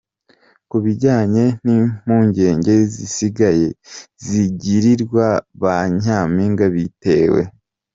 Ku bijyanye n’impungenge zisigaye zigirirwa ba nyampinga bitewe.